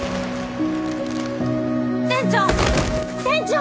店長！